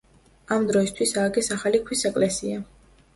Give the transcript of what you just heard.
ამ დროისთვის ააგეს ახალი ქვის ეკლესია.